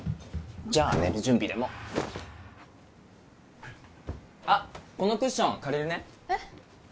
じゃあ寝る準備でもあっこのクッション借りるねえっ？